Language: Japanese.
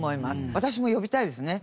私も呼びたいですね。